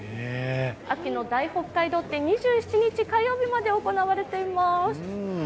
秋の大北海道展、２７日、火曜日まで行われています。